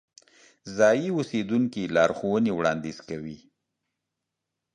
ځایی اوسیدونکي لارښوونې وړاندې کوي.